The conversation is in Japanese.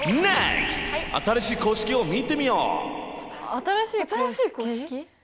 新しい公式を見てみよう！